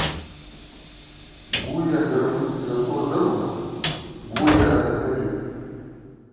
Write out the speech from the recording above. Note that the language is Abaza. Гулиа Дырмытӏ дзачӏву рдырума? – Гулиа дырдыритӏ.